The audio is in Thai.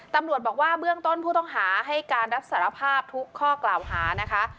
ตำรวจบอกว่าเบื้องต้นผู้ต้องหาให้การรับสารภาพทุกข้อกล่าวหานะคะ